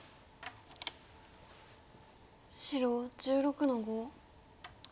白１６の五。